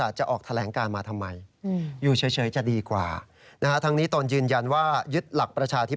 บอกว่าผิดหวังมาก